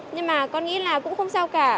nhưng mà con nghĩ là cũng không sao cả